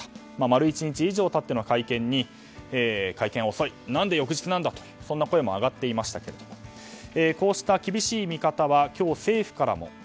丸１日以上経っての会見に会見が遅い何で翌日なんだという声も上がっていましたがこうした厳しい見方は今日、政府からも。